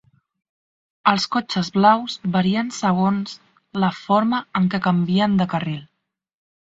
Els cotxes blaus varien segons la forma en què canvien de carril.